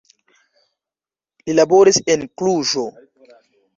Li laboris en Kluĵo.